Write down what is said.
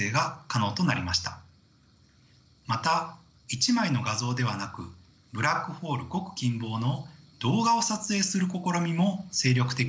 また１枚の画像ではなくブラックホールごく近傍の動画を撮影する試みも精力的に進められています。